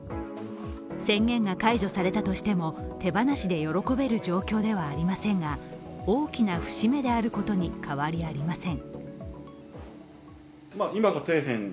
宣言が解除されたとしても、手放しで喜べる状況ではありませんが大きな節目であることに変わりありません。